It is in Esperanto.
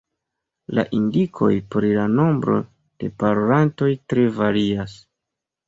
La indikoj pri la nombro de parolantoj tre varias.